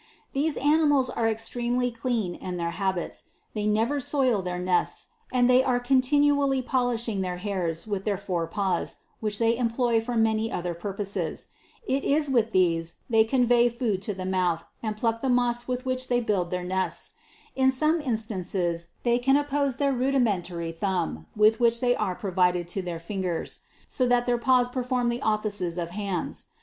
These animals are extremely clean in their habits ; they never soil their nests, and they are continually polishing their hairs with their fore paws, which they employ for many other purposes : it is with these, they convey food to the mouth, and pluck the moss with which they build their nests : in some instances they can oppose their rudimentary thumb with which they are provided to their fingers, so that their paws perform the offices of hands.